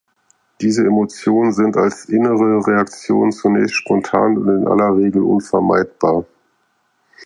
Diese Emotionen sind als "innere" Reaktionen zunächst spontan und in aller Regel unvermeidbar.